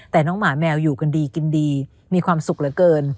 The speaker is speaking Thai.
แต่น้องหมาแมวอยู่กันดีกินดีมีความสุขเหลือเกิน